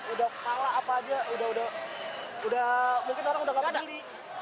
udah kepala apa aja mungkin orang udah gak peduli